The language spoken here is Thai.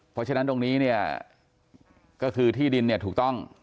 เพราะฉะนั้นตรงนี้เนี่ยก็คือที่ดินเนี่ยถูกต้อง